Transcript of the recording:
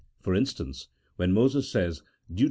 For instance, when Moses says, Deut.